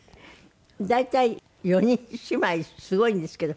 大体４人姉妹すごいんですけど。